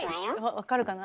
分かるかな。